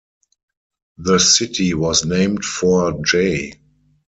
The city was named for J.